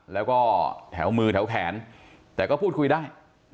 แล้วก็แถวมือแถวแขนแต่ก็พูดคุยได้